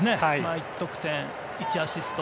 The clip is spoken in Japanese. １得点１アシスト。